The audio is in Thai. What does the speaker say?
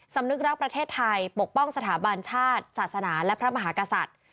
สำนึกรักประเทศไทยปกป้องสถาบันชาติศาสนาและพระมหากษัตริย์